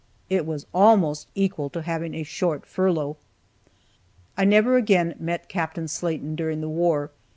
It was almost equal to having a short furlough. I never again met Capt. Slaten during the war.